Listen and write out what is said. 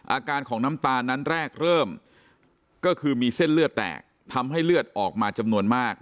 อาการของน้ำตาลนั้นแรกเริ่มก็คือมีเส้นเลือดแตกทำให้เลือดออกมาจำนวนมาก